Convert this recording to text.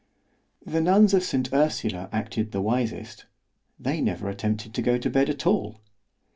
The nuns of saint Ursula acted the wisest—they never attempted to go to bed at all.